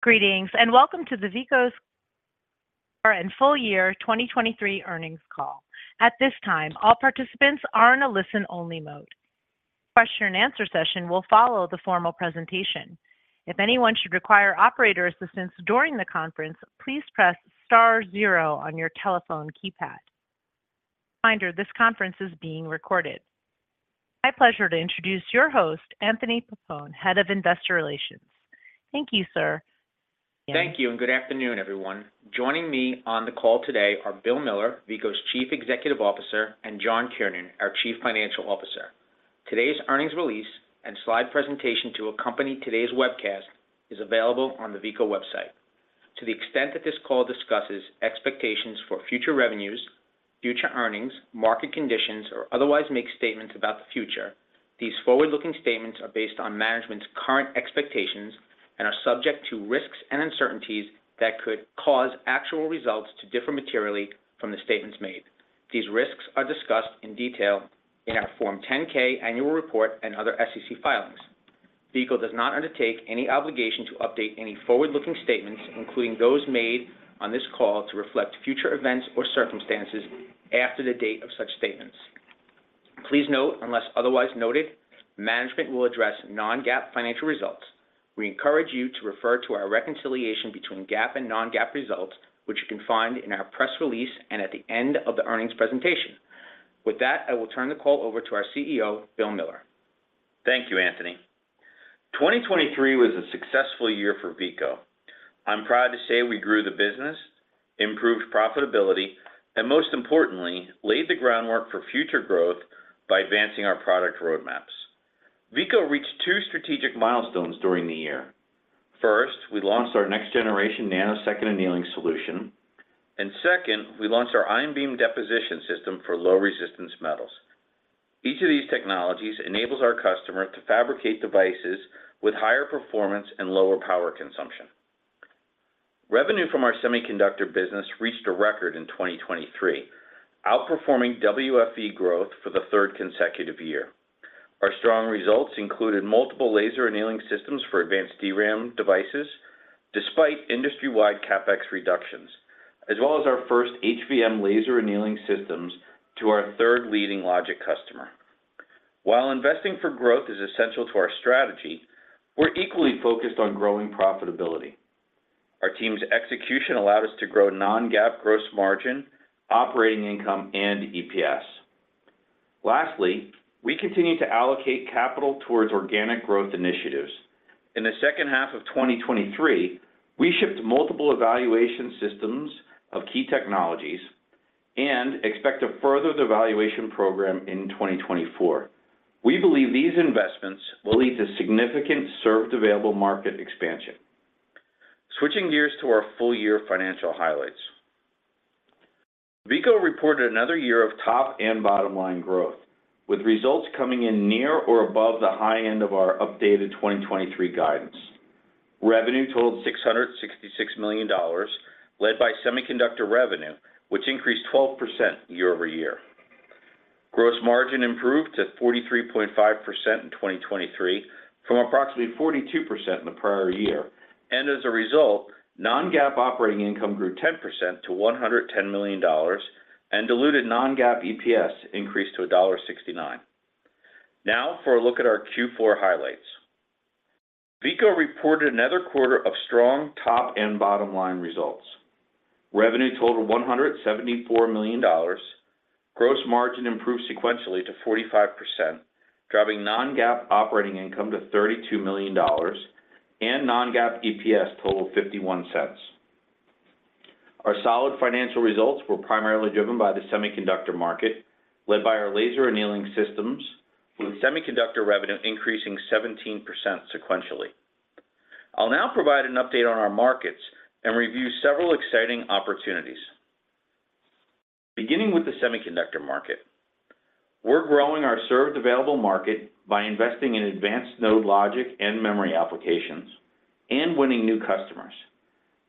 Greetings and welcome to the Veeco's Fourth Quarter and Full-Year 2023 Earnings Call. At this time, all participants are in a listen-only mode. Question-and-answer session will follow the formal presentation. If anyone should require operator assistance during the conference, please press star zero on your telephone keypad. Reminder: this conference is being recorded. It's my pleasure to introduce your host, Anthony Pappone, Head of Investor Relations. Thank you, sir. Thank you and good afternoon, everyone. Joining me on the call today are Bill Miller, Veeco's Chief Executive Officer, and John Kiernan, our Chief Financial Officer. Today's earnings release and slide presentation to accompany today's webcast is available on the Veeco website. To the extent that this call discusses expectations for future revenues, future earnings, market conditions, or otherwise makes statements about the future, these forward-looking statements are based on management's current expectations and are subject to risks and uncertainties that could cause actual results to differ materially from the statements made. These risks are discussed in detail in our Form 10-K annual report and other SEC filings. Veeco does not undertake any obligation to update any forward-looking statements, including those made on this call, to reflect future events or circumstances after the date of such statements. Please note, unless otherwise noted, management will address non-GAAP financial results. We encourage you to refer to our reconciliation between GAAP and non-GAAP results, which you can find in our press release and at the end of the earnings presentation. With that, I will turn the call over to our CEO, Bill Miller. Thank you, Anthony. 2023 was a successful year for Veeco. I'm proud to say we grew the business, improved profitability, and most importantly, laid the groundwork for future growth by advancing our product roadmaps. Veeco reached two strategic milestones during the year. First, we launched our next-generation nanosecond annealing solution. Second, we launched our ion beam deposition system for low-resistance metals. Each of these technologies enables our customer to fabricate devices with higher performance and lower power consumption. Revenue from our semiconductor business reached a record in 2023, outperforming WFE growth for the third consecutive year. Our strong results included multiple laser annealing systems for advanced DRAM devices despite industry-wide CapEx reductions, as well as our first HVM laser annealing systems to our third leading logic customer. While investing for growth is essential to our strategy, we're equally focused on growing profitability. Our team's execution allowed us to grow non-GAAP gross margin, operating income, and EPS. Lastly, we continue to allocate capital towards organic growth initiatives. In the second half of 2023, we shipped multiple evaluation systems of key technologies and expect to further the evaluation program in 2024. We believe these investments will lead to significant served-available market expansion. Switching gears to our full-year financial highlights. Veeco reported another year of top- and bottom-line growth, with results coming in near or above the high end of our updated 2023 guidance. Revenue totaled $666 million, led by semiconductor revenue, which increased 12% year-over-year. Gross margin improved to 43.5% in 2023 from approximately 42% in the prior year. As a result, non-GAAP operating income grew 10% to $110 million, and diluted non-GAAP EPS increased to $1.69. Now, for a look at our Q4 highlights. Veeco reported another quarter of strong top- and bottom-line results. Revenue totaled $174 million. Gross margin improved sequentially to 45%, driving non-GAAP operating income to $32 million and non-GAAP EPS totaled $0.51. Our solid financial results were primarily driven by the semiconductor market, led by our laser annealing systems, with semiconductor revenue increasing 17% sequentially. I'll now provide an update on our markets and review several exciting opportunities. Beginning with the semiconductor market. We're growing our served-available market by investing in advanced node logic and memory applications and winning new customers.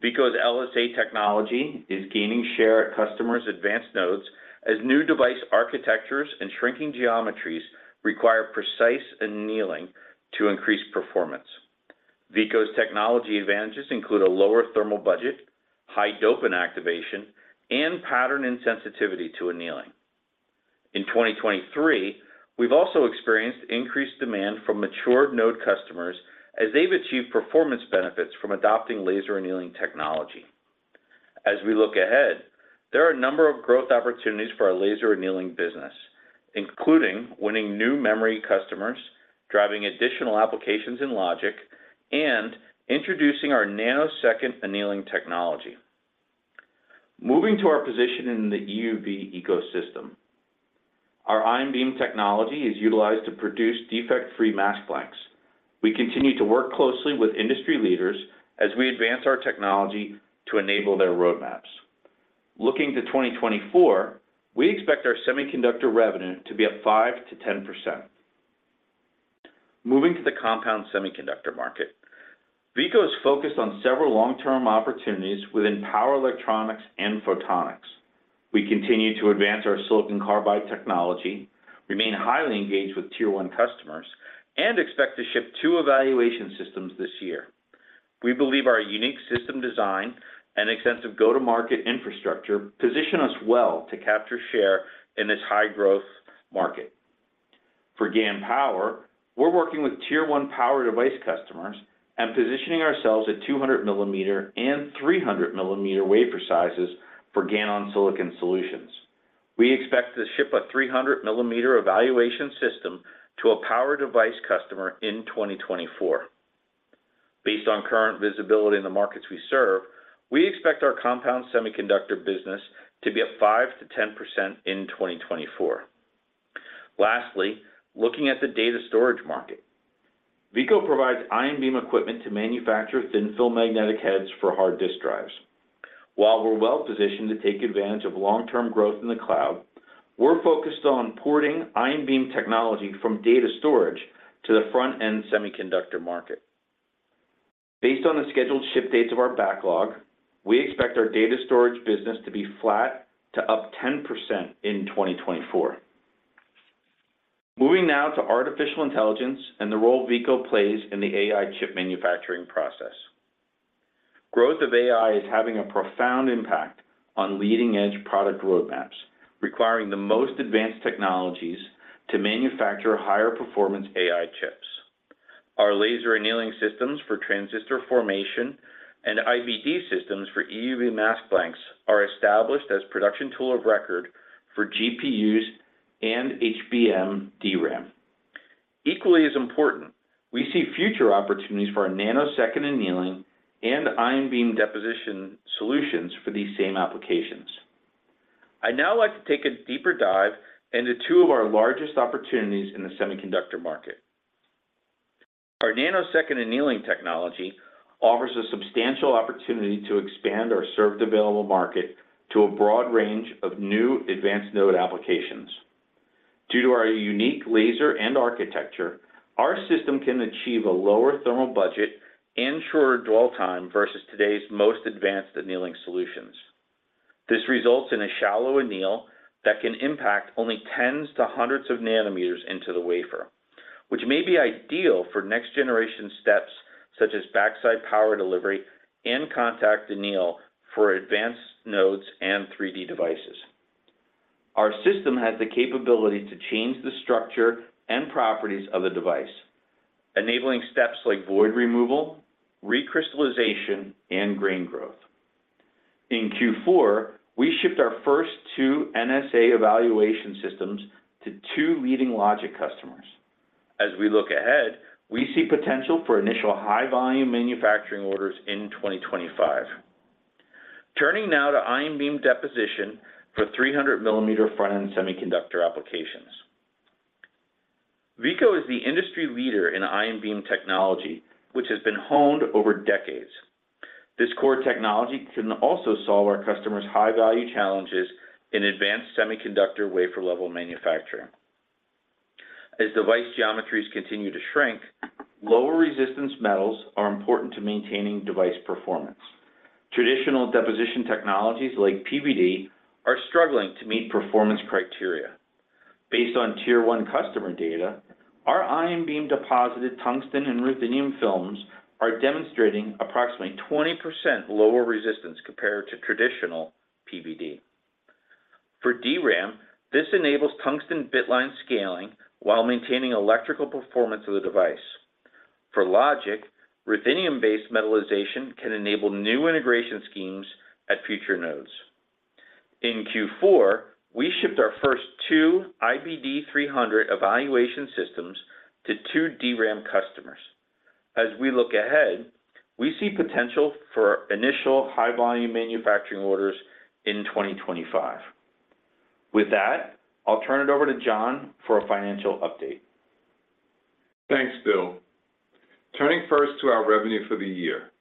Veeco's LSA technology is gaining share at customers' advanced nodes as new device architectures and shrinking geometries require precise annealing to increase performance. Veeco's technology advantages include a lower thermal budget, high doping activation, and pattern insensitivity to annealing. In 2023, we've also experienced increased demand from matured node customers as they've achieved performance benefits from adopting laser annealing technology. As we look ahead, there are a number of growth opportunities for our laser annealing business, including winning new memory customers, driving additional applications in logic, and introducing our nanosecond annealing technology. Moving to our position in the EUV ecosystem. Our ion beam technology is utilized to produce defect-free mask blanks. We continue to work closely with industry leaders as we advance our technology to enable their roadmaps. Looking to 2024, we expect our semiconductor revenue to be at 5%-10%. Moving to the compound semiconductor market. Veeco is focused on several long-term opportunities within power electronics and photonics. We continue to advance our silicon carbide technology, remain highly engaged with Tier 1 customers, and expect to ship two evaluation systems this year. We believe our unique system design and extensive go-to-market infrastructure position us well to capture share in this high-growth market. For GaN power, we're working with Tier 1 power device customers and positioning ourselves at 200 mm and 300 mm wafer sizes for GaN-on-silicon solutions. We expect to ship a 300 mm evaluation system to a power device customer in 2024. Based on current visibility in the markets we serve, we expect our compound semiconductor business to be at 5%-10% in 2024. Lastly, looking at the data storage market, Veeco provides ion beam equipment to manufacture thin-film magnetic heads for hard disk drives. While we're well positioned to take advantage of long-term growth in the cloud, we're focused on porting ion beam technology from data storage to the front-end semiconductor market. Based on the scheduled ship dates of our backlog, we expect our data storage business to be flat to up 10% in 2024. Moving now to artificial intelligence and the role Veeco plays in the AI chip manufacturing process. Growth of AI is having a profound impact on leading-edge product roadmaps, requiring the most advanced technologies to manufacture higher-performance AI chips. Our laser annealing systems for transistor formation and IBD systems for EUV mask blanks are established as production tool of record for GPUs and HBM/DRAM. Equally as important, we see future opportunities for our nanosecond annealing and ion beam deposition solutions for these same applications. I'd now like to take a deeper dive into two of our largest opportunities in the semiconductor market. Our nanosecond annealing technology offers a substantial opportunity to expand our served available market to a broad range of new advanced node applications. Due to our unique laser and architecture, our system can achieve a lower thermal budget and shorter dwell time versus today's most advanced annealing solutions. This results in a shallow anneal that can impact only tens to hundreds of nanometers into the wafer, which may be ideal for next-generation steps such as backside power delivery and contact anneal for advanced nodes and 3D devices. Our system has the capability to change the structure and properties of the device, enabling steps like void removal, recrystallization, and grain growth. In Q4, we shipped our first two NSA evaluation systems to two leading logic customers. As we look ahead, we see potential for initial high-volume manufacturing orders in 2025. Turning now to ion beam deposition for 300-mm front-end semiconductor applications. Veeco is the industry leader in ion beam technology, which has been honed over decades. This core technology can also solve our customers' high-value challenges in advanced semiconductor wafer-level manufacturing. As device geometries continue to shrink, lower-resistance metals are important to maintaining device performance. Traditional deposition technologies like PVD are struggling to meet performance criteria. Based on Tier 1 customer data, our ion beam deposited tungsten and ruthenium films are demonstrating approximately 20% lower resistance compared to traditional PVD. For DRAM, this enables tungsten bitline scaling while maintaining electrical performance of the device. For logic, ruthenium-based metallization can enable new integration schemes at future nodes. In Q4, we shipped our first two IBD300 evaluation systems to two DRAM customers. As we look ahead, we see potential for initial high-volume manufacturing orders in 2025. With that, I'll turn it over to John for a financial update. Thanks, Bill. Turning first to our revenue for the year.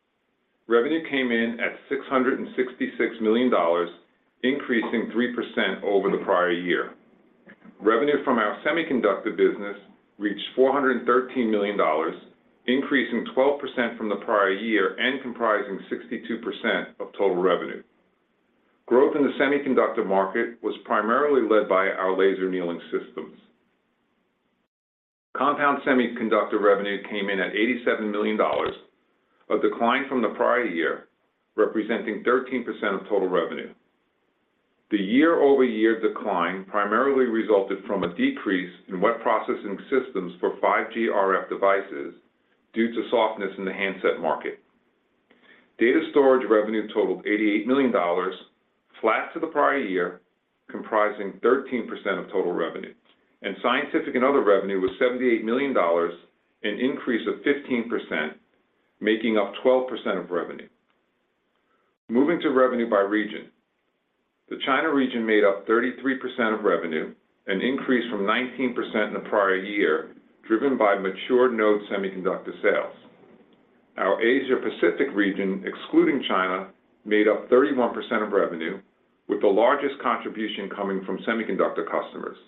Revenue came in at $666 million, increasing 3% over the prior year. Revenue from our semiconductor business reached $413 million, increasing 12% from the prior year and comprising 62% of total revenue. Growth in the semiconductor market was primarily led by our laser annealing systems. Compound semiconductor revenue came in at $87 million, a decline from the prior year representing 13% of total revenue. The year-over-year decline primarily resulted from a decrease in wet processing systems for 5G RF devices due to softness in the handset market. Data storage revenue totaled $88 million, flat to the prior year, comprising 13% of total revenue. Scientific and other revenue was $78 million, an increase of 15%, making up 12% of revenue. Moving to revenue by region. The China region made up 33% of revenue, an increase from 19% in the prior year driven by matured node semiconductor sales. Our Asia-Pacific region, excluding China, made up 31% of revenue, with the largest contribution coming from semiconductor customers.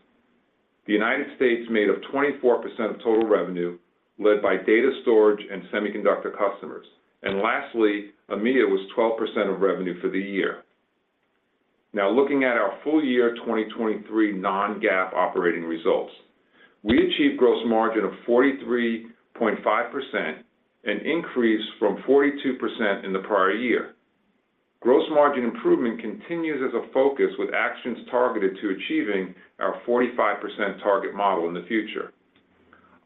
The United States made up 24% of total revenue, led by data storage and semiconductor customers. Lastly, EMEA was 12% of revenue for the year. Now, looking at our full-year 2023 non-GAAP operating results. We achieved gross margin of 43.5%, an increase from 42% in the prior year. Gross margin improvement continues as a focus with actions targeted to achieving our 45% target model in the future.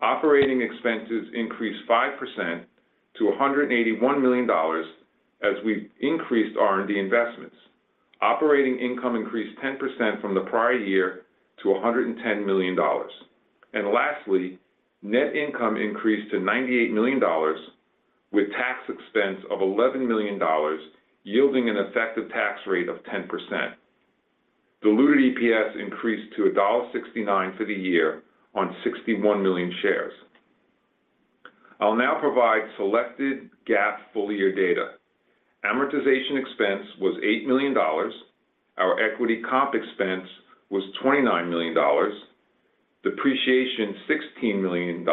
Operating expenses increased 5% to $181 million as we've increased R&D investments. Operating income increased 10% from the prior year to $110 million. Lastly, net income increased to $98 million, with tax expense of $11 million yielding an effective tax rate of 10%. Diluted EPS increased to $1.69 for the year on 61 million shares. I'll now provide selected GAAP full-year data. Amortization expense was $8 million. Our equity comp expense was $29 million. Depreciation, $16 million.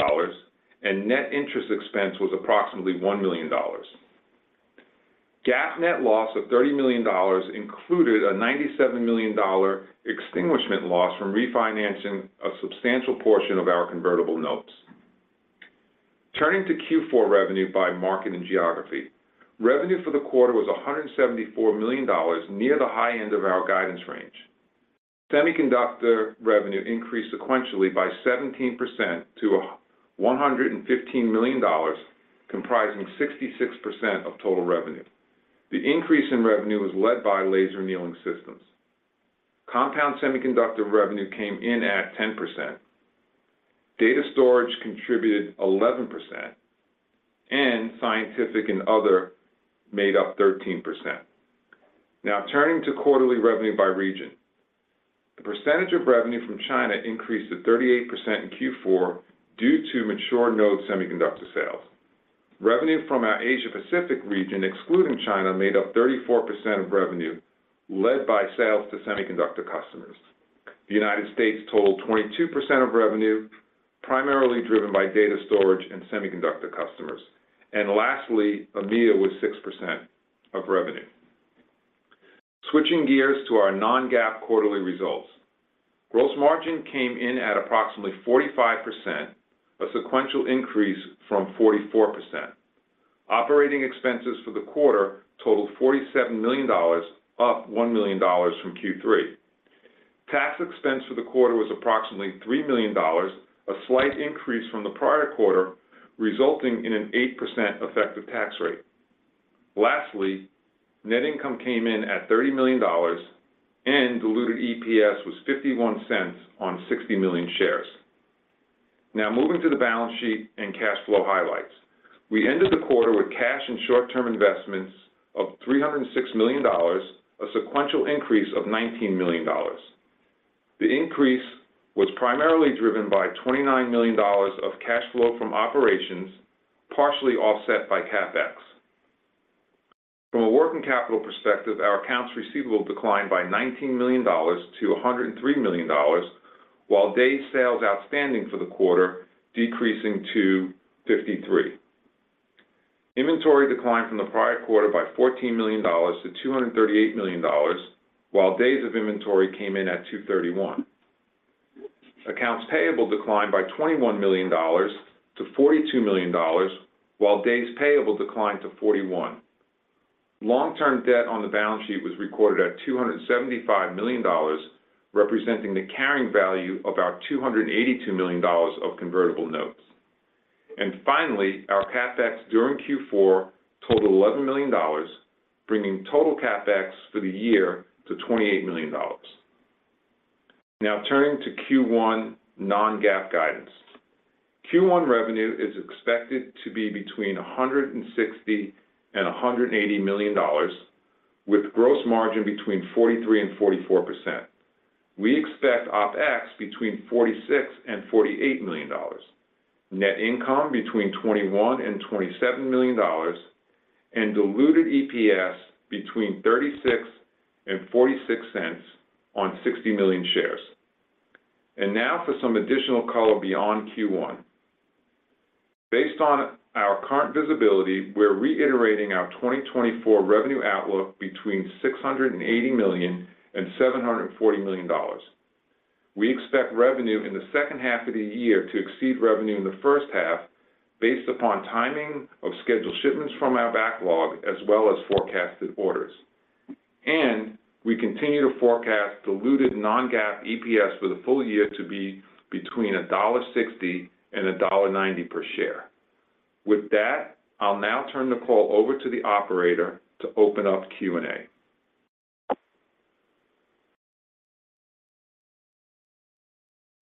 And net interest expense was approximately $1 million. GAAP net loss of $30 million included a $97 million extinguishment loss from refinancing a substantial portion of our convertible notes. Turning to Q4 revenue by market and geography. Revenue for the quarter was $174 million, near the high end of our guidance range. Semiconductor revenue increased sequentially by 17% to $115 million, comprising 66% of total revenue. The increase in revenue was led by laser annealing systems. Compound semiconductor revenue came in at 10%. Data storage contributed 11%. And scientific and other made up 13%. Now, turning to quarterly revenue by region. The percentage of revenue from China increased to 38% in Q4 due to matured node semiconductor sales. Revenue from our Asia-Pacific region, excluding China, made up 34% of revenue, led by sales to semiconductor customers. The United States totaled 22% of revenue, primarily driven by data storage and semiconductor customers. Lastly, EMEA was 6% of revenue. Switching gears to our non-GAAP quarterly results. Gross margin came in at approximately 45%, a sequential increase from 44%. Operating expenses for the quarter totaled $47 million, up $1 million from Q3. Tax expense for the quarter was approximately $3 million, a slight increase from the prior quarter, resulting in an 8% effective tax rate. Lastly, net income came in at $30 million. Diluted EPS was $0.51 on 60 million shares. Now, moving to the balance sheet and cash flow highlights. We ended the quarter with cash and short-term investments of $306 million, a sequential increase of $19 million. The increase was primarily driven by $29 million of cash flow from operations, partially offset by CapEx. From a working capital perspective, our accounts receivable declined by $19 million-$103 million, while days' sales outstanding for the quarter decreasing to 53. Inventory declined from the prior quarter by $14 million-$238 million, while days of inventory came in at 231. Accounts payable declined by $21 million-$42 million, while days' payable declined to 41. Long-term debt on the balance sheet was recorded at $275 million, representing the carrying value of our $282 million of convertible notes. Finally, our CapEx during Q4 totaled $11 million, bringing total CapEx for the year to $28 million. Now, turning to Q1 non-GAAP guidance. Q1 revenue is expected to be between $160-$180 million, with gross margin between 43%-44%. We expect OpEx between $46-$48 million, net income between $21-$27 million, and diluted EPS between $0.36-$0.46 on 60 million shares. And now for some additional color beyond Q1. Based on our current visibility, we're reiterating our 2024 revenue outlook between $680-$740 million. We expect revenue in the second half of the year to exceed revenue in the first half based upon timing of scheduled shipments from our backlog as well as forecasted orders. And we continue to forecast diluted non-GAAP EPS for the full year to be between $1.60-$1.90 per share. With that, I'll now turn the call over to the operator to open up Q&A.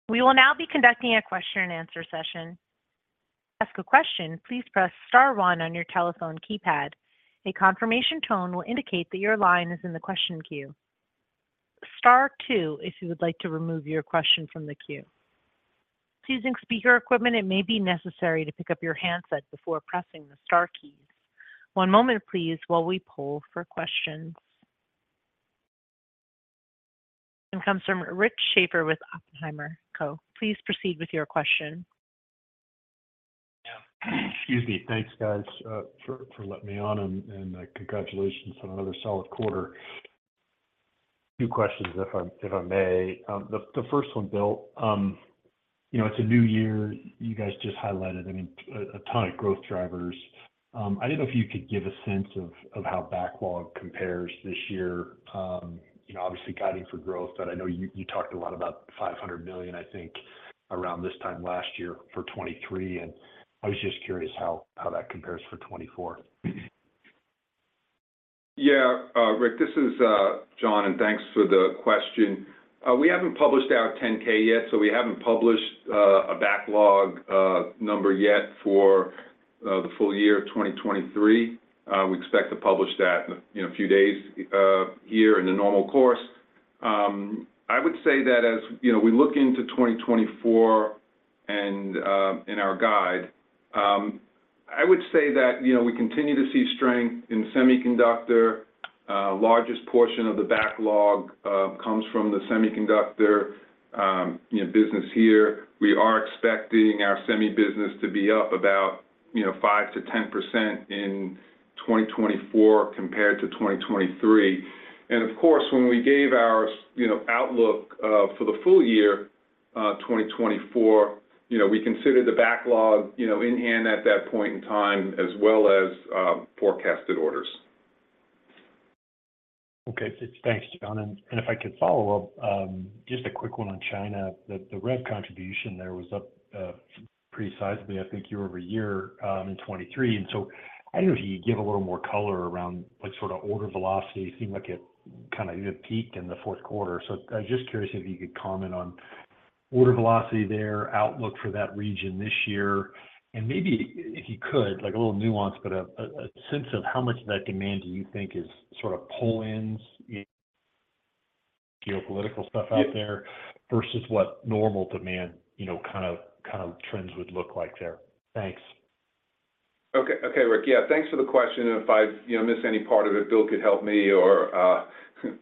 We will now be conducting a question-and-answer session. To ask a question, please press star one on your telephone keypad. A confirmation tone will indicate that your line is in the question queue. Star two if you would like to remove your question from the queue. Using speaker equipment, it may be necessary to pick up your handset before pressing the star keys. One moment, please, while we pull for questions. It comes from Rick Schafer with Oppenheimer & Co. Please proceed with your question. Yeah. Excuse me. Thanks, guys, for letting me on, and congratulations on another solid quarter. Two questions, if I may. The first one, Bill. It's a new year. You guys just highlighted, I mean, a ton of growth drivers. I didn't know if you could give a sense of how backlog compares this year. Obviously, guiding for growth, but I know you talked a lot about $500 million, I think, around this time last year for 2023. I was just curious how that compares for 2024. Yeah, Rick. This is John, and thanks for the question. We haven't published our 10-K yet, so we haven't published a backlog number yet for the full year of 2023. We expect to publish that in a few days here in the normal course. I would say that as we look into 2024 and in our guide, I would say that we continue to see strength in semiconductor. Largest portion of the backlog comes from the semiconductor business here. We are expecting our semi-business to be up about 5%-10% in 2024 compared to 2023. And of course, when we gave our outlook for the full year, 2024, we considered the backlog in hand at that point in time as well as forecasted orders. Okay. Thanks, John. And if I could follow up, just a quick one on China. The rev contribution there was up pretty sizably, I think, year-over-year in 2023. And so I didn't know if you could give a little more color around sort of order velocity. It seemed like it kind of peaked in the fourth quarter. So I was just curious if you could comment on order velocity there, outlook for that region this year. And maybe if you could, a little nuance, but a sense of how much of that demand do you think is sort of pull-ins, geopolitical stuff out there, versus what normal demand kind of trends would look like there. Thanks. Okay, Rick. Yeah, thanks for the question. And if I miss any part of it, Bill could help me, or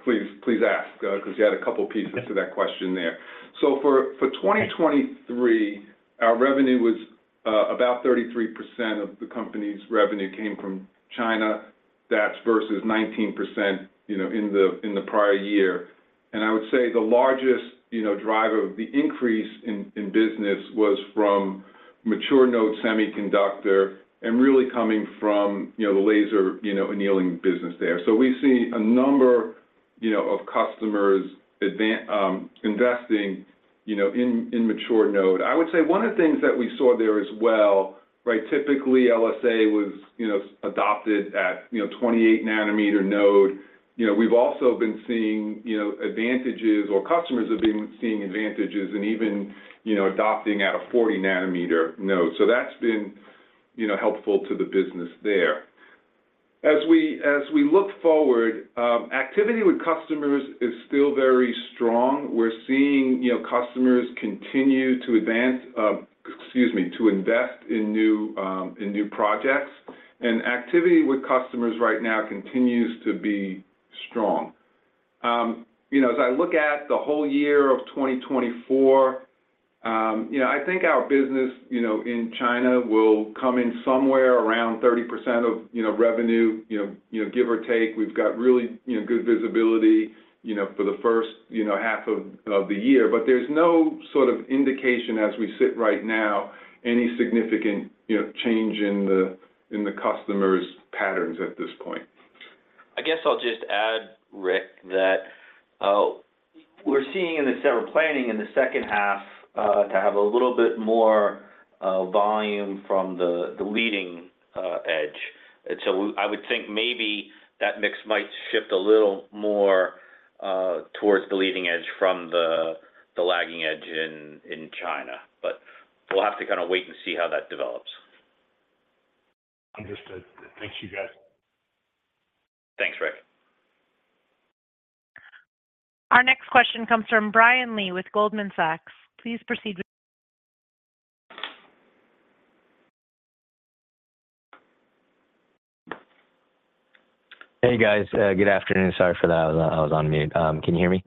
please ask because you had a couple of pieces to that question there. So for 2023, our revenue was about 33% of the company's revenue came from China. That's versus 19% in the prior year. And I would say the largest driver of the increase in business was from mature node semiconductor and really coming from the laser annealing business there. So we see a number of customers investing in mature node. I would say one of the things that we saw there as well, right, typically, LSA was adopted at 28 nm node. We've also been seeing advantages, or customers have been seeing advantages in even adopting at a 40 nm node. So that's been helpful to the business there. As we look forward, activity with customers is still very strong. We're seeing customers continue to advance, excuse me, to invest in new projects. Activity with customers right now continues to be strong. As I look at the whole year of 2024, I think our business in China will come in somewhere around 30% of revenue, give or take. We've got really good visibility for the first half of the year. But there's no sort of indication, as we sit right now, any significant change in the customers' patterns at this point. I guess I'll just add, Rick, that we're seeing in the setup planning in the second half to have a little bit more volume from the leading edge. So I would think maybe that mix might shift a little more towards the leading edge from the lagging edge in China. But we'll have to kind of wait and see how that develops. Understood. Thanks, you guys. Thanks, Rick. Our next question comes from Brian Lee with Goldman Sachs. Please proceed with. Hey, guys. Good afternoon. Sorry for that. I was on mute. Can you hear me?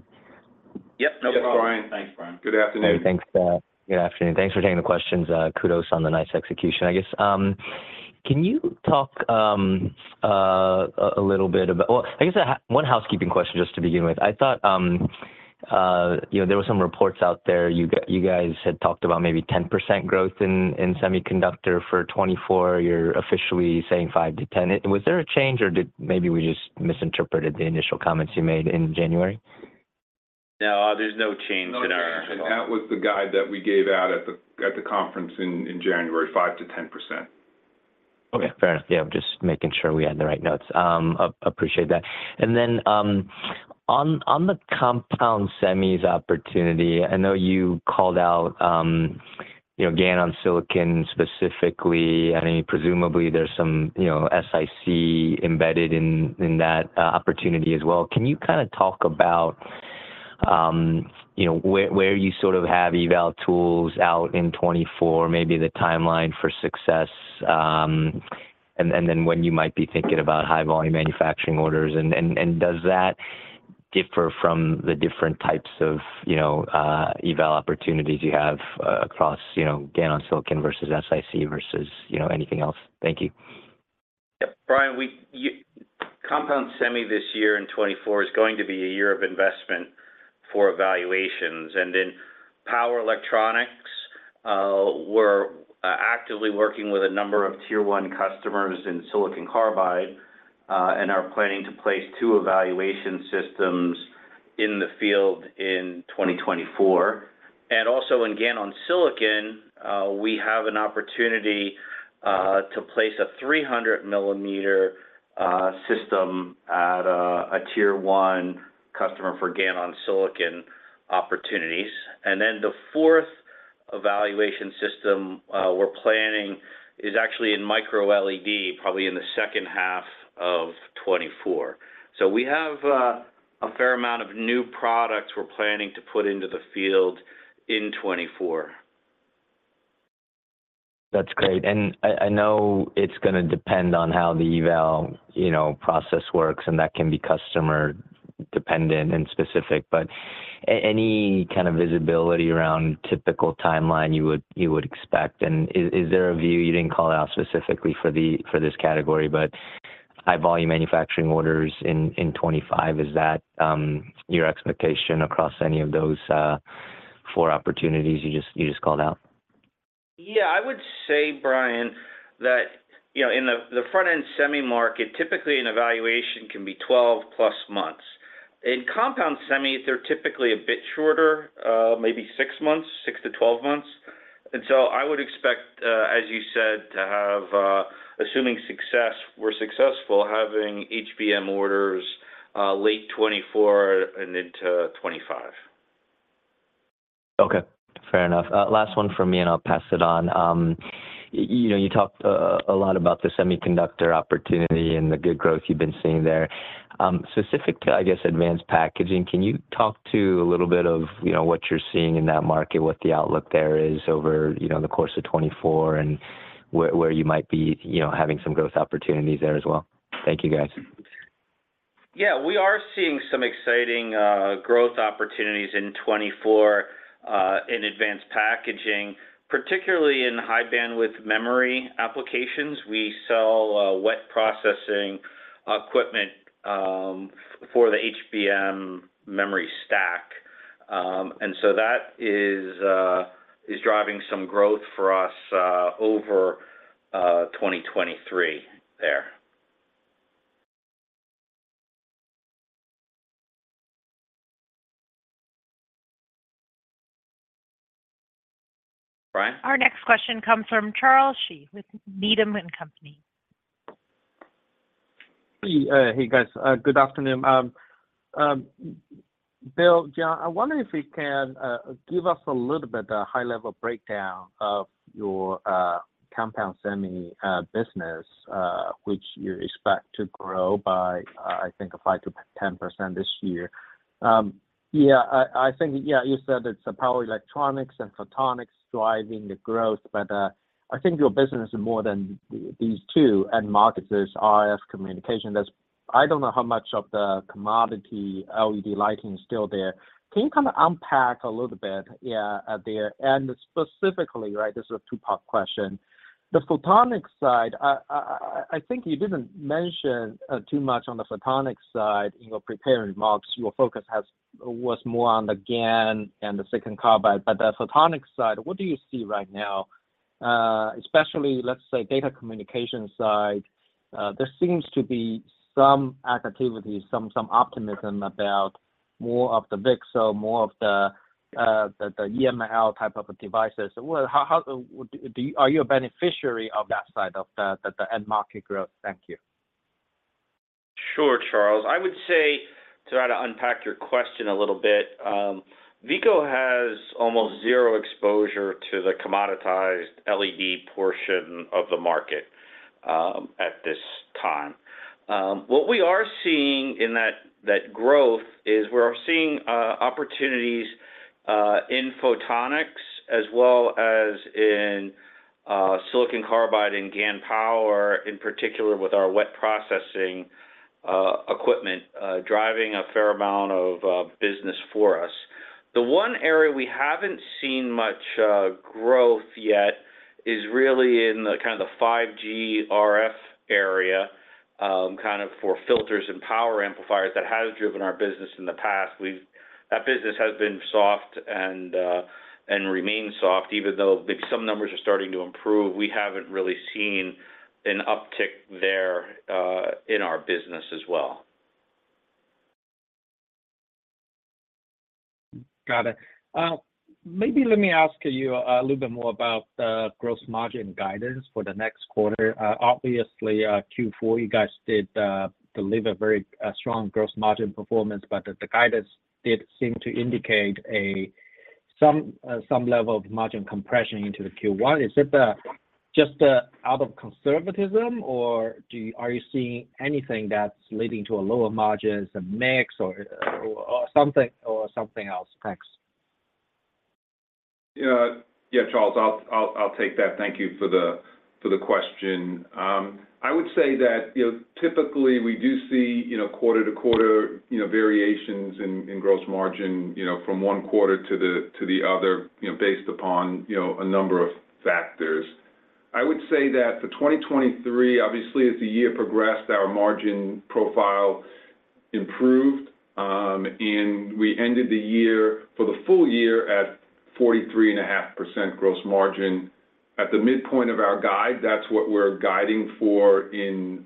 Yep. No, that's Brian. Thanks, Brian. Good afternoon. Hey, thanks. Good afternoon. Thanks for taking the questions. Kudos on the nice execution, I guess. Can you talk a little bit about, well, I guess one housekeeping question just to begin with. I thought there were some reports out there you guys had talked about maybe 10% growth in semiconductor for 2024. You're officially saying 5%-10%. Was there a change, or maybe we just misinterpreted the initial comments you made in January? No, there's no change in our initial comments. No, no, no. That was the guide that we gave out at the conference in January, 5%-10%. Okay. Fair enough. Yeah, I'm just making sure we had the right notes. Appreciate that. And then on the compound semis opportunity, I know you called out GaN-on-silicon specifically. I mean, presumably, there's some SiC embedded in that opportunity as well. Can you kind of talk about where you sort of have eval tools out in 2024, maybe the timeline for success, and then when you might be thinking about high-volume manufacturing orders? And does that differ from the different types of eval opportunities you have across GaN-on-silicon versus SiC versus anything else? Thank you. Yep. Brian, compound semi this year in 2024 is going to be a year of investment for evaluations. Power Electronics, we're actively working with a number of Tier 1 customers in Silicon Carbide and are planning to place two evaluation systems in the field in 2024. Also in GaN-on-silicon, we have an opportunity to place a 300 mm system at a Tier 1 customer for GaN-on-silicon opportunities. Then the fourth evaluation system we're planning is actually in microLED, probably in the second half of 2024. So we have a fair amount of new products we're planning to put into the field in 2024. That's great. I know it's going to depend on how the Eval process works, and that can be customer-dependent and specific. But any kind of visibility around typical timeline you would expect? And is there a view (you didn't call it out specifically for this category) but high-volume manufacturing orders in 2025, is that your expectation across any of those four opportunities you just called out? Yeah. I would say, Brian, that in the front-end semi market, typically, an evaluation can be 12+ months. In compound semi, they're typically a bit shorter, maybe six months, six to 12 months. And so I would expect, as you said, to have, assuming we're successful, having HBM orders late 2024 and into 2025. Okay. Fair enough. Last one from me, and I'll pass it on. You talked a lot about the semiconductor opportunity and the good growth you've been seeing there. Specific to, I guess, advanced packaging, can you talk to a little bit of what you're seeing in that market, what the outlook there is over the course of 2024, and where you might be having some growth opportunities there as well? Thank you, guys. Yeah. We are seeing some exciting growth opportunities in 2024 in advanced packaging, particularly in high-bandwidth memory applications. We sell wet processing equipment for the HBM memory stack. And so that is driving some growth for us over 2023 there. Brian? Our next question comes from Charles Shi with Needham & Company. Hey, guys. Good afternoon. Bill, John, I wonder if you can give us a little bit of a high-level breakdown of your compound semi business, which you expect to grow by, I think, 5%-10% this year. Yeah, I think, yeah, you said it's Power Electronics and Photonics driving the growth. But I think your business is more than these two, and markets are RF communication. I don't know how much of the commodity LED lighting is still there. Can you kind of unpack a little bit there? And specifically, right, this is a two-part question. The photonics side, I think you didn't mention too much on the photonics side in your prepared remarks. Your focus was more on the GaN-on-silicon carbide. But the photonics side, what do you see right now? Especially, let's say, data communication side, there seems to be some activity, some optimism about more of the VCSEL, more of the EML type of devices. Are you a beneficiary of that side of the end-market growth? Thank you. Sure, Charles. I would say, to try to unpack your question a little bit, Veeco has almost zero exposure to the commoditized LED portion of the market at this time. What we are seeing in that growth is we're seeing opportunities in photonics as well as in silicon carbide and GaN power, in particular with our wet processing equipment, driving a fair amount of business for us. The one area we haven't seen much growth yet is really in kind of the 5G RF area, kind of for filters and power amplifiers that has driven our business in the past. That business has been soft and remains soft. Even though maybe some numbers are starting to improve, we haven't really seen an uptick there in our business as well. Got it. Maybe let me ask you a little bit more about the gross margin guidance for the next quarter. Obviously, Q4, you guys did deliver very strong gross margin performance, but the guidance did seem to indicate some level of margin compression into the Q1. Is it just out of conservatism, or are you seeing anything that's leading to a lower margin? Is it a mix or something else? Thanks. Yeah, Charles. I'll take that. Thank you for the question. I would say that typically, we do see quarter-to-quarter variations in gross margin from one quarter to the other based upon a number of factors. I would say that for 2023, obviously, as the year progressed, our margin profile improved, and we ended the year for the full year at 43.5% gross margin. At the midpoint of our guide, that's what we're guiding for in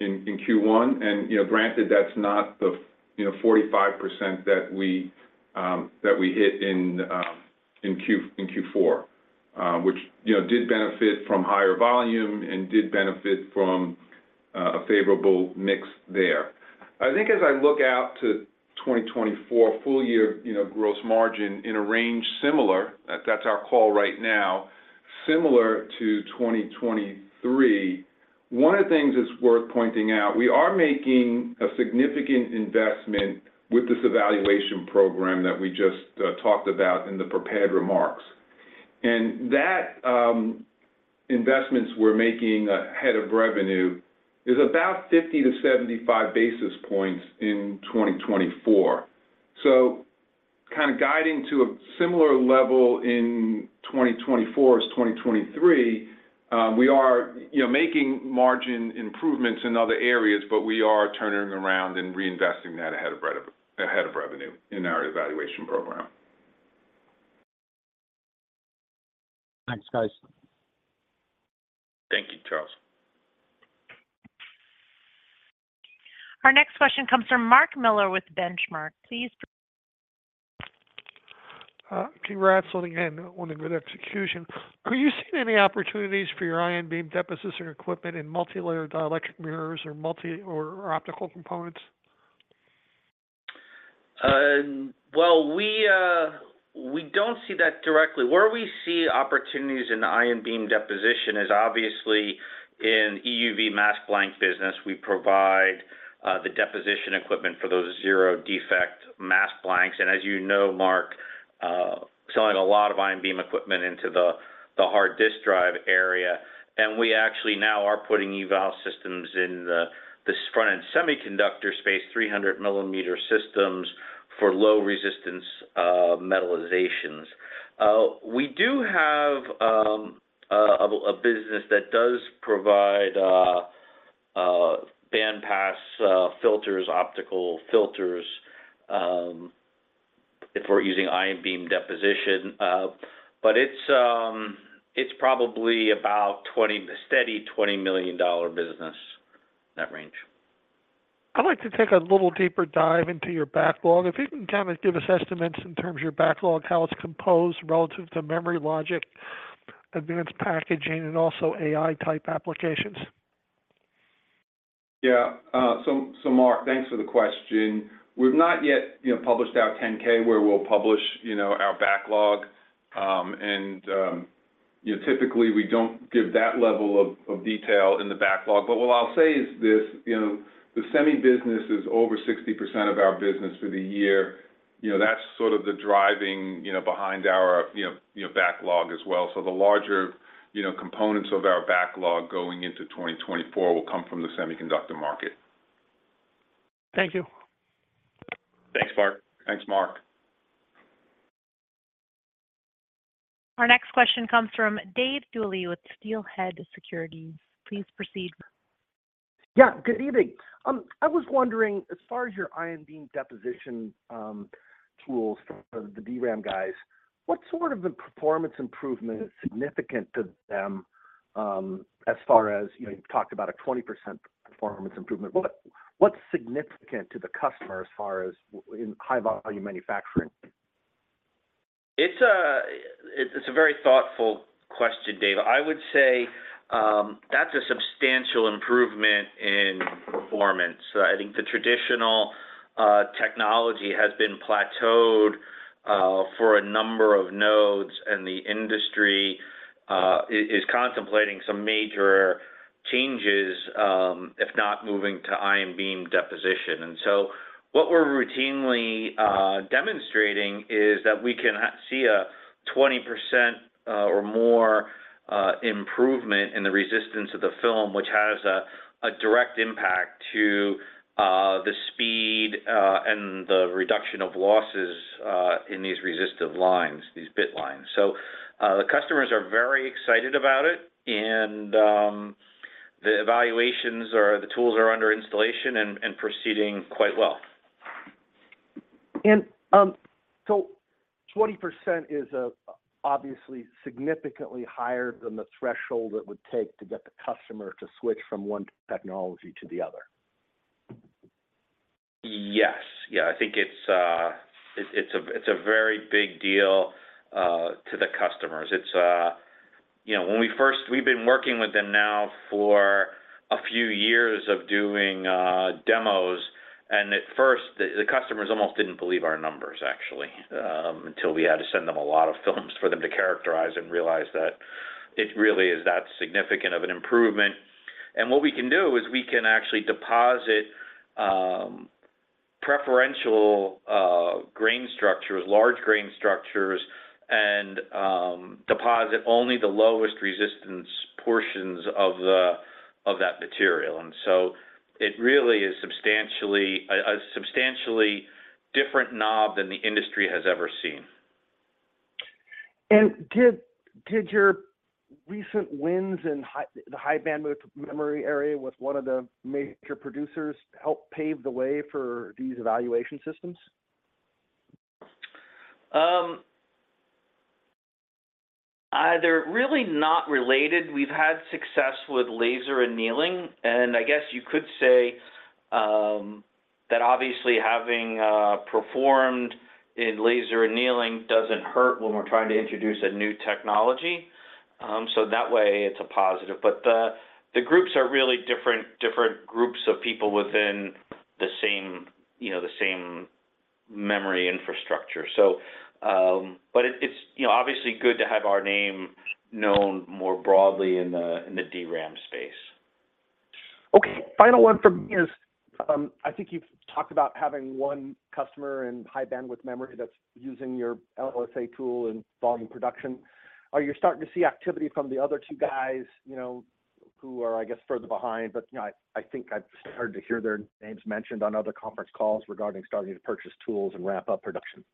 Q1. And granted, that's not the 45% that we hit in Q4, which did benefit from higher volume and did benefit from a favorable mix there. I think as I look out to 2024, full-year gross margin in a range similar, that's our call right now, similar to 2023. One of the things that's worth pointing out, we are making a significant investment with this evaluation program that we just talked about in the prepared remarks. And that investment we're making ahead of revenue is about 50-75 basis points in 2024. So kind of guiding to a similar level in 2024 as 2023, we are making margin improvements in other areas, but we are turning around and reinvesting that ahead of revenue in our evaluation program. Thanks, guys. Thank you, Charles. Our next question comes from Mark Miller with Benchmark. Please. Okay. Again, wanting good execution. Are you seeing any opportunities for your ion beam deposition or equipment in multilayer dielectric mirrors or optical components? Well, we don't see that directly. Where we see opportunities in ion beam deposition is obviously in EUV mask blank business. We provide the deposition equipment for those zero-defect mask blanks. And as you know, Mark, selling a lot of ion beam equipment into the hard disk drive area. And we actually now are putting IBD systems in the front-end semiconductor space, 300 mm systems for low-resistance metallizations. We do have a business that does provide bandpass filters, optical filters, if we're using ion beam deposition. But it's probably about a steady $20 million business, that range. I'd like to take a little deeper dive into your backlog. If you can kind of give us estimates in terms of your backlog, how it's composed relative to memory logic, advanced packaging, and also AI-type applications? Yeah. So, Mark, thanks for the question. We've not yet published our 10-K where we'll publish our backlog. Typically, we don't give that level of detail in the backlog. What I'll say is this. The semi business is over 60% of our business for the year. That's sort of the driving behind our backlog as well. The larger components of our backlog going into 2024 will come from the semiconductor market. Thank you. Thanks, Mark. Thanks, Mark. Our next question comes from Dave Duley with Steelhead Securities. Please proceed. Yeah. Good evening. I was wondering, as far as your ion beam deposition tools for the DRAM guys, what sort of performance improvement is significant to them as far as you've talked about a 20% performance improvement? What's significant to the customer as far as in high-volume manufacturing? It's a very thoughtful question, Dave. I would say that's a substantial improvement in performance. I think the traditional technology has been plateaued for a number of nodes, and the industry is contemplating some major changes, if not moving to ion beam deposition. And so what we're routinely demonstrating is that we can see a 20% or more improvement in the resistance of the film, which has a direct impact to the speed and the reduction of losses in these resistive lines, these bit lines. So the customers are very excited about it, and the evaluations or the tools are under installation and proceeding quite well. 20% is obviously significantly higher than the threshold it would take to get the customer to switch from one technology to the other? Yes. Yeah. I think it's a very big deal to the customers. When we first, we've been working with them now for a few years of doing demos. At first, the customers almost didn't believe our numbers, actually, until we had to send them a lot of films for them to characterize and realize that it really is that significant of an improvement. What we can do is we can actually deposit preferential grain structures, large grain structures, and deposit only the lowest resistance portions of that material. So it really is a substantially different knob than the industry has ever seen. Did your recent wins in the high-bandwidth memory area with one of the major producers help pave the way for these evaluation systems? They're really not related. We've had success with laser annealing. I guess you could say that obviously, having performed in laser annealing doesn't hurt when we're trying to introduce a new technology. That way, it's a positive. But the groups are really different groups of people within the same memory infrastructure, so. But it's obviously good to have our name known more broadly in the DRAM space. Okay. Final one from me is I think you've talked about having one customer in high-bandwidth memory that's using your LSA tool in volume production. Are you starting to see activity from the other two guys who are, I guess, further behind? I think I've started to hear their names mentioned on other conference calls regarding starting to purchase tools and ramp up production.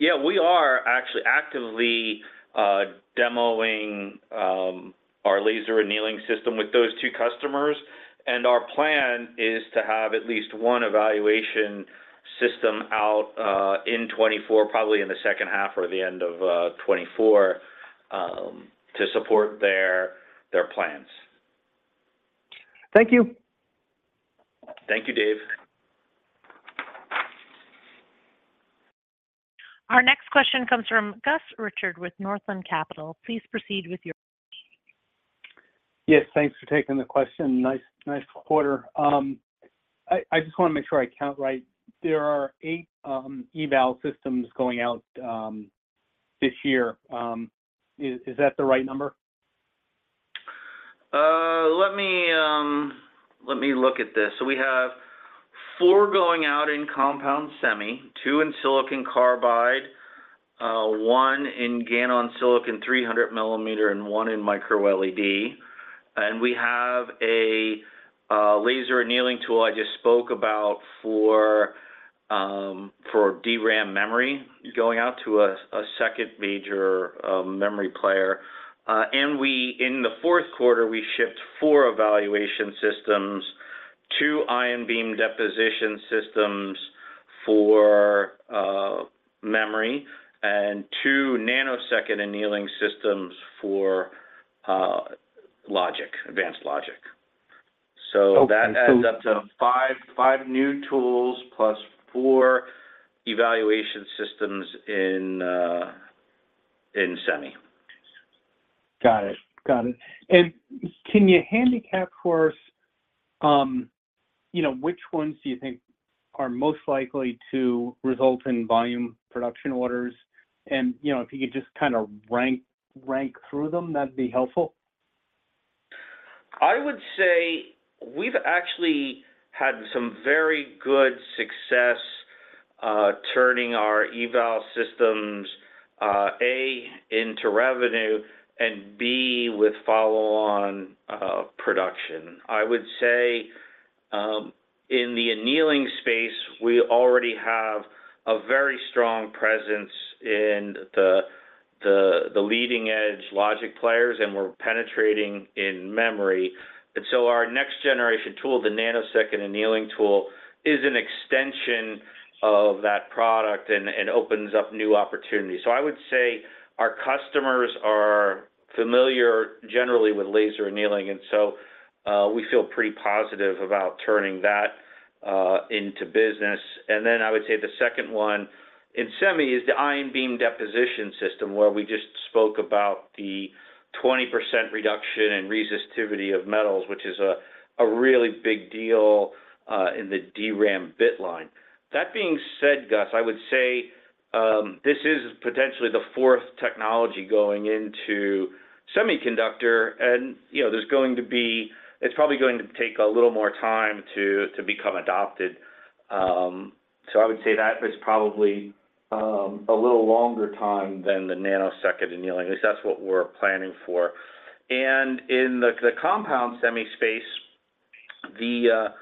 Yeah, we are actually actively demoing our laser annealing system with those two customers. Our plan is to have at least one evaluation system out in 2024, probably in the second half or the end of 2024, to support their plans. Thank you. Thank you, Dave. Our next question comes from Gus Richard with Northland Capital Markets. Please proceed with your. Yes. Thanks for taking the question. Nice quarter. I just want to make sure I count right. There are 8 Eval systems going out this year. Is that the right number? Let me look at this. We have four going out in compound semi, two in silicon carbide, one in GaN-on-silicon 300 mm, and one in microLED. We have a laser annealing tool I just spoke about for DRAM memory going out to a second major memory player. In the fourth quarter, we shipped four evaluation systems, two ion beam deposition systems for memory, and two nanosecond annealing systems for advanced logic. That adds up to five new tools plus four evaluation systems in semi. Got it. Got it. And can you handicap for us which ones do you think are most likely to result in volume production orders? And if you could just kind of rank through them, that'd be helpful. I would say we've actually had some very good success turning our eval systems, A, into revenue, and B, with follow-on production. I would say in the annealing space, we already have a very strong presence in the leading-edge logic players, and we're penetrating in memory. Our next-generation tool, the nanosecond annealing tool, is an extension of that product and opens up new opportunities. Our customers are familiar generally with laser annealing, and so we feel pretty positive about turning that into business. The second one in semi is the ion beam deposition system where we just spoke about the 20% reduction in resistivity of metals, which is a really big deal in the DRAM bitline. That being said, Gus, I would say this is potentially the fourth technology going into semiconductor. There's going to be it's probably going to take a little more time to become adopted. So I would say that is probably a little longer time than the nanosecond annealing. At least that's what we're planning for. In the compound semi space, the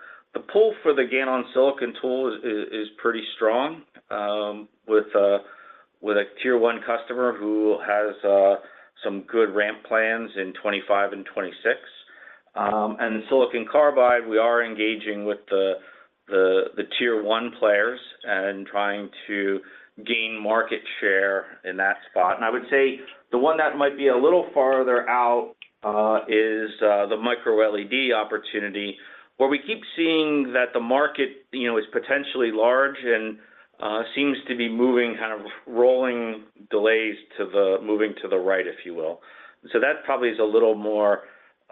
pull for the GaN-on-silicon tool is pretty strong with a Tier 1 customer who has some good ramp plans in 2025 and 2026. Silicon carbide, we are engaging with the Tier 1 players and trying to gain market share in that spot. I would say the one that might be a little farther out is the microLED opportunity where we keep seeing that the market is potentially large and seems to be moving kind of rolling delays to the moving to the right, if you will. That probably is a little more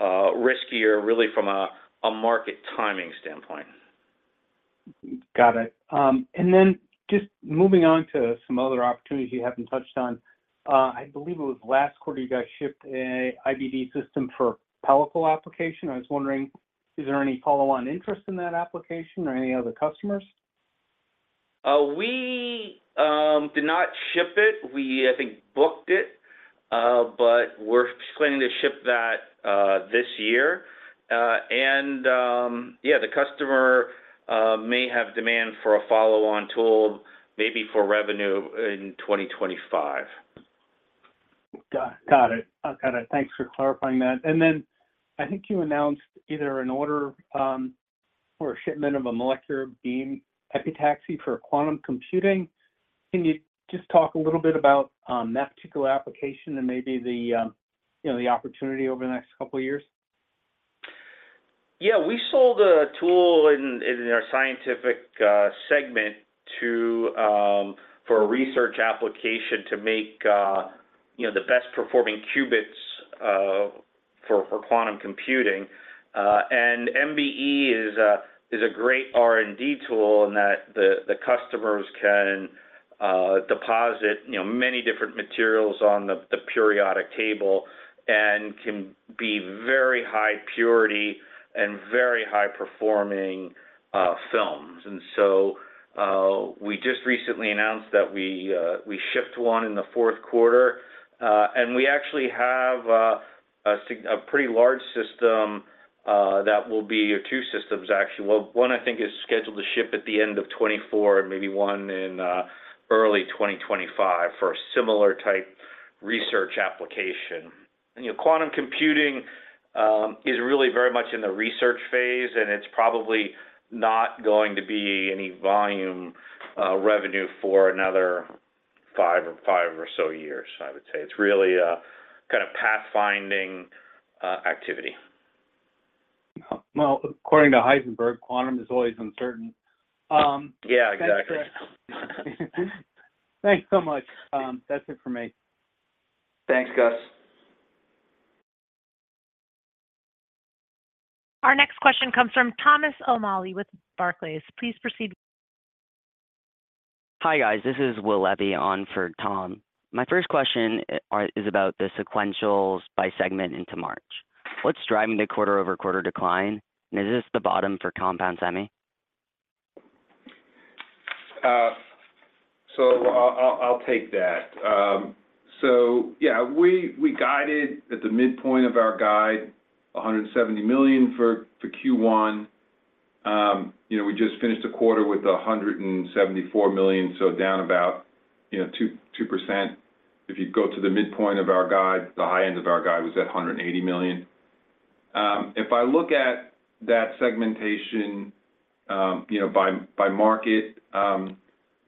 riskier, really, from a market timing standpoint. Got it. And then just moving on to some other opportunities you haven't touched on. I believe it was last quarter you guys shipped an IBD system for a pellicle application. I was wondering, is there any follow-on interest in that application or any other customers? We did not ship it. We, I think, booked it, but we're planning to ship that this year. And yeah, the customer may have demand for a follow-on tool, maybe for revenue, in 2025. Got it. Got it. Thanks for clarifying that. And then I think you announced either an order or a shipment of a molecular beam epitaxy for quantum computing. Can you just talk a little bit about that particular application and maybe the opportunity over the next couple of years? Yeah. We sold a tool in our scientific segment for a research application to make the best-performing qubits for quantum computing. MBE is a great R&D tool in that the customers can deposit many different materials on the periodic table and can be very high purity and very high-performing films. So we just recently announced that we shipped one in the fourth quarter. We actually have a pretty large system that will be or two systems, actually. Well, one, I think, is scheduled to ship at the end of 2024 and maybe one in early 2025 for a similar type research application. Quantum computing is really very much in the research phase, and it's probably not going to be any volume revenue for another five or so years, I would say. It's really kind of pathfinding activity. Well, according to Heisenberg, quantum is always uncertain. Yeah, exactly. Thanks for that. Thanks so much. That's it for me. Thanks, Gus. Our next question comes from Thomas O'Malley with Barclays. Please proceed. Hi, guys. This is Will Levy on for Tom. My first question is about the sequentials by segment into March. What's driving the quarter-over-quarter decline? And is this the bottom for compound semi? So I'll take that. So yeah, we guided at the midpoint of our guide, $170 million for Q1. We just finished a quarter with $174 million, so down about 2%. If you go to the midpoint of our guide, the high end of our guide was at $180 million. If I look at that segmentation by market,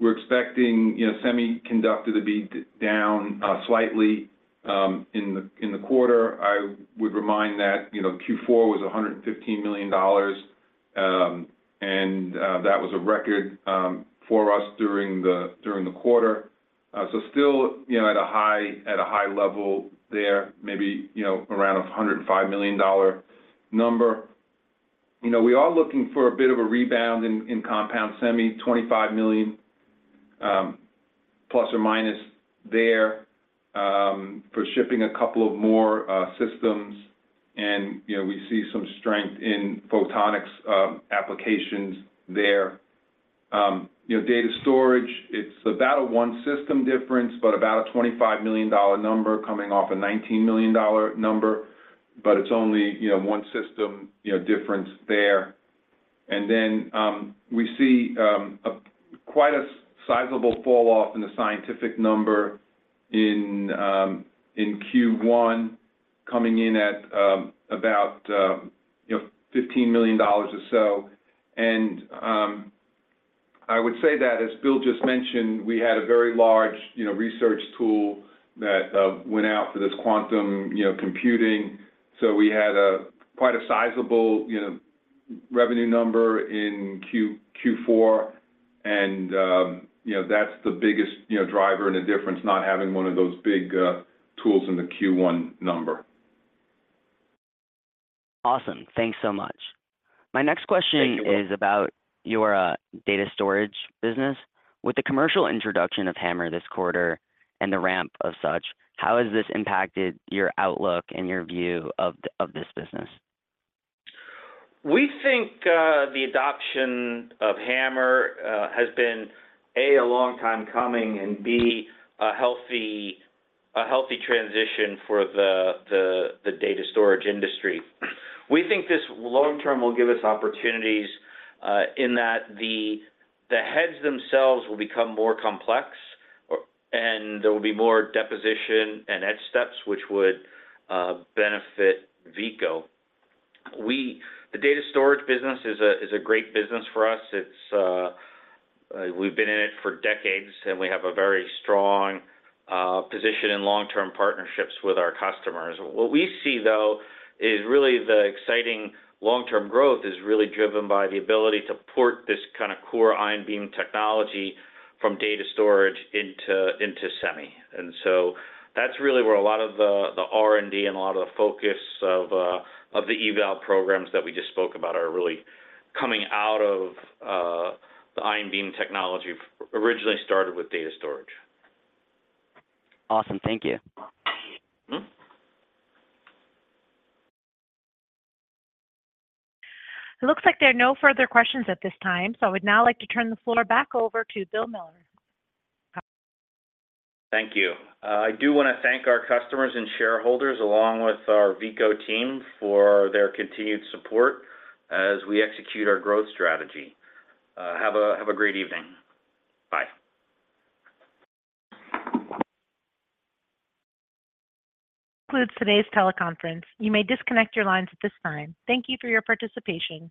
we're expecting semiconductor to be down slightly in the quarter. I would remind that Q4 was $115 million, and that was a record for us during the quarter. So still at a high level there, maybe around a $105 million number. We are looking for a bit of a rebound in compound semi, $25 million plus or minus there for shipping a couple of more systems. And we see some strength in photonics applications there. Data storage, it's about a one-system difference but about a $25 million number coming off a $19 million number, but it's only one-system difference there. And then we see quite a sizable falloff in the scientific number in Q1 coming in at about $15 million or so. And I would say that, as Bill just mentioned, we had a very large research tool that went out for this quantum computing. So we had quite a sizable revenue number in Q4. And that's the biggest driver and a difference, not having one of those big tools in the Q1 number. Awesome. Thanks so much. My next question is about your data storage business. With the commercial introduction of HAMR this quarter and the ramp of such, how has this impacted your outlook and your view of this business? We think the adoption of HAMR has been, A, a long time coming, and B, a healthy transition for the data storage industry. We think this long-term will give us opportunities in that the heads themselves will become more complex, and there will be more deposition and edge steps, which would benefit Veeco. The data storage business is a great business for us. We've been in it for decades, and we have a very strong position in long-term partnerships with our customers. What we see, though, is really the exciting long-term growth is really driven by the ability to port this kind of core ion beam technology from data storage into semi. And so that's really where a lot of the R&D and a lot of the focus of the eval programs that we just spoke about are really coming out of the ion beam technology. Originally started with data storage. Awesome. Thank you. It looks like there are no further questions at this time, so I would now like to turn the floor back over to Bill Miller. Thank you. I do want to thank our customers and shareholders along with our Veeco team for their continued support as we execute our growth strategy. Have a great evening. Bye. Concludes today's teleconference. You may disconnect your lines at this time. Thank you for your participation.